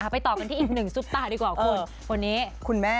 ไปต่อกันที่อีกหนึ่งซุปะดีกว่าคุณ